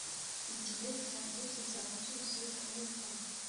igihe cyanjye kizaba cyuzuye kunyurwa